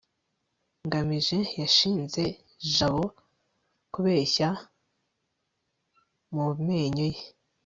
ngamije yashinje jabo kubeshya mu menyo ye